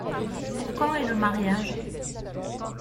Pour quand est le mariage ?